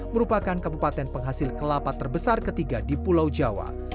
merupakan kabupaten penghasil kelapa terbesar ketiga di pulau jawa